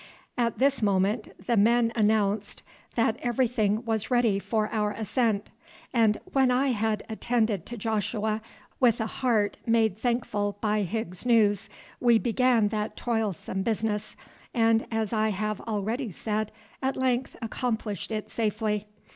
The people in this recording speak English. At this moment the men announced that everything was ready for our ascent, and when I had attended to Joshua with a heart made thankful by Higgs's news, we began that toilsome business, and, as I have already said, at length accomplished it safely.